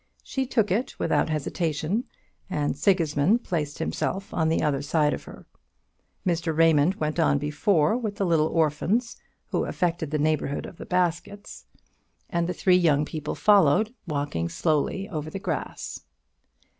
She took it without hesitation, and Sigismund placed himself on the other side of her. Mr. Raymond went on before with the orphans, who affected the neighbourhood of the baskets; and the three young people followed, walking slowly over the grass.